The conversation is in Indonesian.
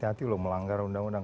hati hati loh melanggar undang undang